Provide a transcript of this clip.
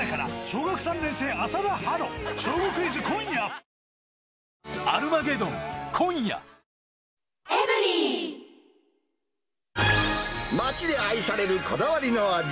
三菱電機町で愛されるこだわりの味。